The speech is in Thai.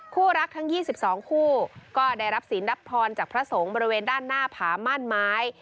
คู่รักทั้ง๒๒คู่ก็ได้รับศีลรับพรจากพระสงฆ์บริเวณด้านหน้าผาม่านไม้